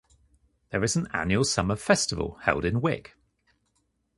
There is an annual summer festival held in Wick.